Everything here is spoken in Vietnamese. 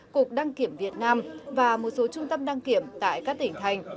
cục đăng kiểm việt nam và một số trung tâm đăng kiểm tại các tỉnh thành